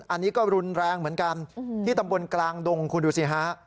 อันนี้ก็รุนแรงเหมือนกันที่ตำบลกลางดงคุณดูสิฮะ